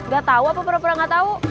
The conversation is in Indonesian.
gak tau apa pernah pernah gak tau